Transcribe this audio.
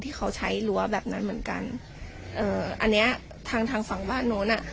ที่เขาใช้รั้วแบบนั้นเหมือนกันเอ่ออันเนี้ยทางทางฝั่งบ้านโน้นอ่ะ